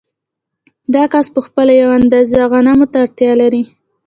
دا کس په خپله یوې اندازې غنمو ته اړتیا لري